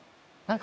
何？